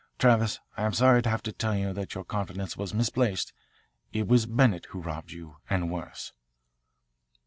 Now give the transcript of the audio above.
Travis, I am sorry to have to tell you that your confidence was misplaced. It was Bennett who robbed you and worse.